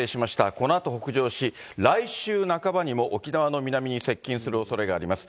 このあと北上し、来週半ばにも沖縄の南に接近するおそれがあります。